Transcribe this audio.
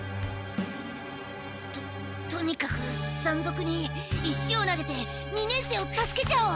ととにかく山賊に石を投げて二年生を助けちゃおう！